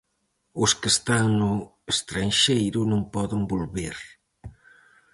Os que están no estranxeiro non poden volver.